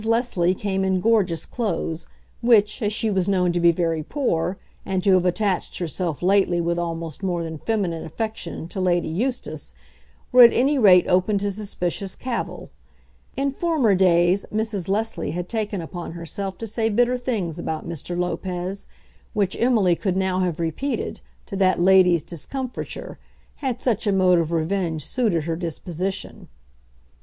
Leslie came in gorgeous clothes, which, as she was known to be very poor, and to have attached herself lately with almost more than feminine affection to Lady Eustace, were at any rate open to suspicious cavil. In former days Mrs. Leslie had taken upon herself to say bitter things about Mr. Lopez, which Emily could now have repeated, to that lady's discomfiture, had such a mode of revenge suited her disposition.